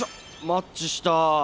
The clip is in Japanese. マッチした。